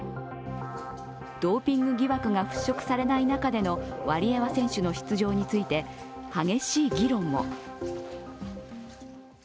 ドーピング疑惑が払拭されない中でのワリエワ選手の出場について激しい議論も。